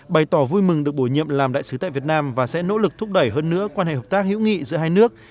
bày tỏ vui mừng được bổ nhiệm làm đại sứ tại việt nam và sẽ nỗ lực thúc đẩy hơn nữa quan hệ hợp tác hữu nghị giữa hai nước